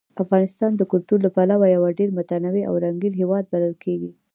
افغانستان د کلتور له پلوه یو ډېر متنوع او رنګین هېواد بلل کېږي.